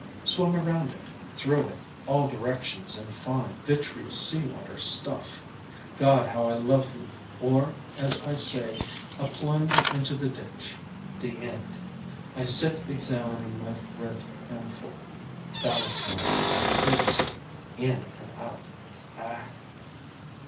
Swim around in it, through it all directions and find vitreous seawater stuff God how I love you! or, as I say, a plunge into the ditch. The end. I sit examining my red handful. Balancing this in and out agh.